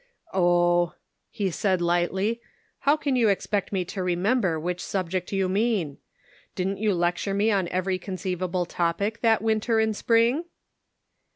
" Oh !" he said lightly. " How can you ex pect me to remember which subject you mean ? Didn't you lecture me on every conceivable topic that winter and spring?"